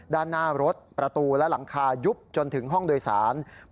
ด้านหน้ารถประตูและหลังคายุบจนถึงห้องโดยสาร